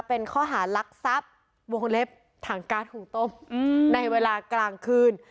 เป็นข้อหารักทรัพย์วงเล็บถังก๊าซหุงต้มในเวลากลางคืน